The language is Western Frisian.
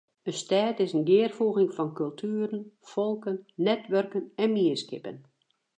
In stêd is in gearfoeging fan kultueren, folken, netwurken en mienskippen.